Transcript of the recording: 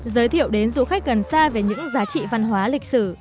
giới thiệu đến du khách gần xa về những giá trị văn hóa lịch sử